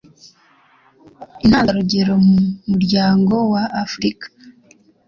intangarugero mu muryango wa africa